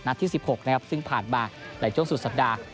ที่๑๖นะครับซึ่งผ่านมาในช่วงสุดสัปดาห์